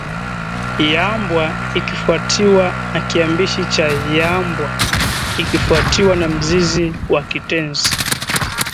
yambwa ikifuatiwa na kiambishi cha yambwa ikifuatiwa na mzizi wa kitenzi